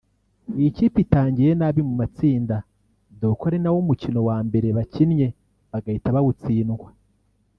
Iyi kipe itangiye nabi mu matsinda dore ko ari nawo mukino wa mbere bakinnye bagahita bawutsindwa